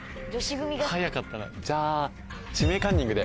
早かったなじゃあ「指名カンニング」で。